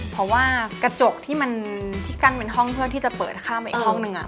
เพราะว่ากระจกที่เปิดข้ามไปอีกห้องนึงอะ